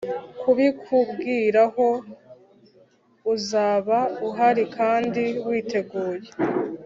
kubikubwiraho, uzaba uhari kandi witeguye